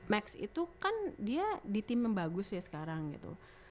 max itu kan dia di tim yang bagus ya sekarang gitu